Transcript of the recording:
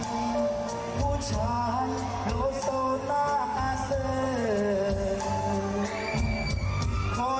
คนจนหมอสอบเจ้ายังทนหาความรอดเกลอ